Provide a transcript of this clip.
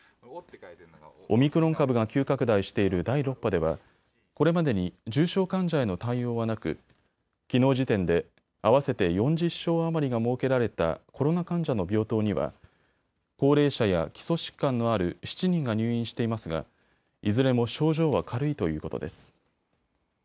オミクロン株が急拡大している第６波ではこれまでに重症患者への対応はなく、きのう時点で合わせて４０床余りが設けられたコロナ患者の病棟には高齢者や基礎疾患のある７人が入院していますがいずれも症状は軽いということです。